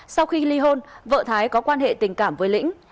sau khi ly hôn vợ thái có quan hệ tình cảm với lĩnh